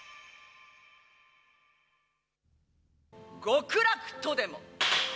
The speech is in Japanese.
極楽とでも。